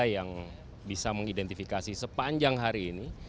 yang bisa mengidentifikasi sepanjang hari ini